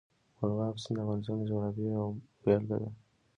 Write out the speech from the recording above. مورغاب سیند د افغانستان د جغرافیې یوه بېلګه ده.